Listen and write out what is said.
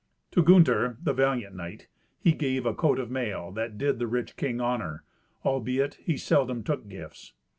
To Gunther, the valiant knight, he gave a coat of mail, that did the rich king honour, albeit he seldom took gifts.